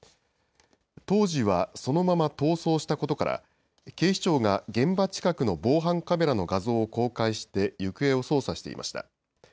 当時はそのまま逃走したことから、警視庁が現場近くの防犯カメラの画像を公開して、行方を捜査していました。